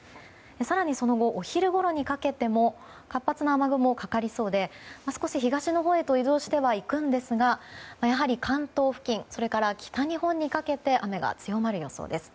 更に、その後お昼ごろにかけても活発な雨雲がかかりそうで少し東のほうへ移動していきますがやはり、関東付近それから北日本にかけて雨が強まる予想です。